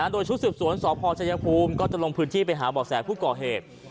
โดยชุดสืบสวนสพชายภูมิก็จะลงพื้นที่ไปหาบ่อแสผู้ก่อเหตุ